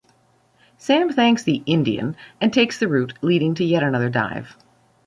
Sam thanks the "Indian" and takes the route, leading to yet another dive.